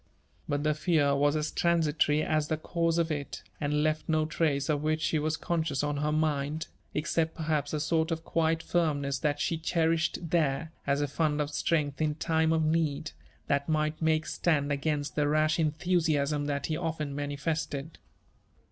But the fear was as transitory as the cause of it, and left no trace of which she was con scious on her mind, except perhaps a sort of quiet firmness that she cherished there, as a fund of strength in time of need, that might make stand against the rash enthusiasm that he often manifested.